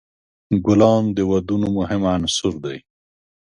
ګلان د ودونو مهم عنصر دی.